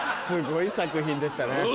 すごい作品でしたね。